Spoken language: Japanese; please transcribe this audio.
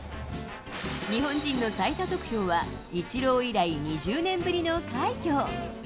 日本人の最多得票はイチロー以来２０年ぶりの快挙。